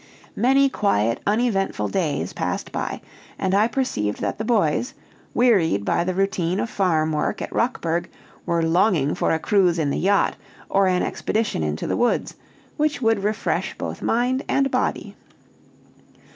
Many quiet uneventful days passed by, and I perceived that the boys, wearied by the routine of farm work at Rockburg, were longing for a cruise in the yacht or an expedition into the woods, which would refresh both mind and body.